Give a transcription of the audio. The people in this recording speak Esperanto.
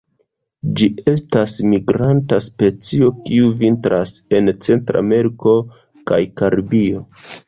Ĝi estas migranta specio, kiu vintras en Centrameriko kaj Karibio.